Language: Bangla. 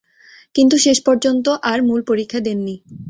কিন্তু শেষ পর্যন্ত আর মূল পরীক্ষা দেননি।